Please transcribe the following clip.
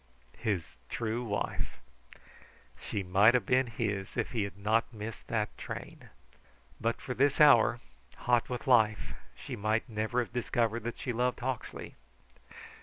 His true wife! She might have been his if he had not missed that train. But for this hour, hot with life, she might never have discovered that she loved Hawksley.